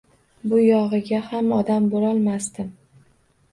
Buyog’iga ham odam bo’lolmasdim.